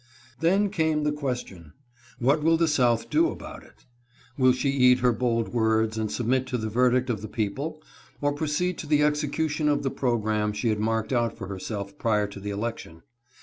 Then came the question. What will the South do about it ? Will she eat her bold words, and submit to the ver dict of the people, or proceed to the execution of the pro gramme she had marked out for herself prior to the election